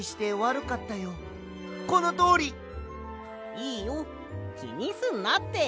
いいよきにすんなって。